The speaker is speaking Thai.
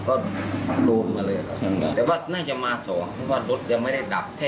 ก็ทำแบบนี้มาทุกวันนะครับ